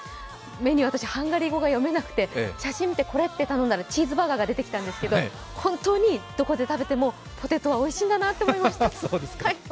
メニュー、私、ハンガリー語が読めなくて、写真を見て、これって頼んだらチーズバーガーが出てきたんですけど本当にどこで食べてもポテトはおいしいんだなと思いました。